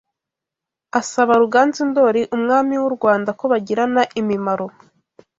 asaba Ruganzu Ndoli umwami w’u Rwanda ko bagirana imimaro